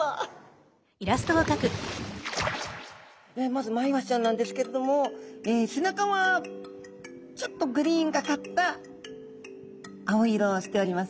まずマイワシちゃんなんですけれども背中はちょっとグリーンがかった青色をしております。